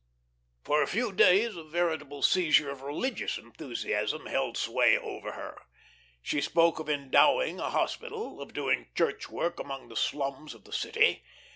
For a few days a veritable seizure of religious enthusiasm held sway over her. She spoke of endowing a hospital, of doing church work among the "slums" of the city.